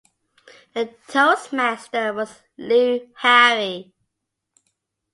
The Toastmaster was Lou Harry.